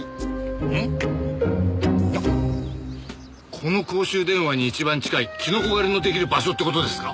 この公衆電話に一番近いキノコ狩りの出来る場所って事ですか？